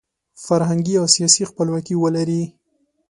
فرهنګي او سیاسي خپلواکي ولري.